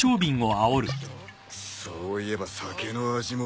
そういえば酒の味も。